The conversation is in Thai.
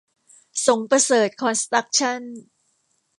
สงประเสริฐคอนสตรัคชั่น